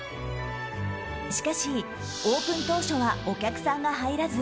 しかし、オープン当初はお客さんが入らず